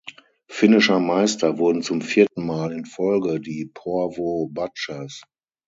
Finnischer Meister wurden zum vierten Mal in Folge die Porvoo Butchers.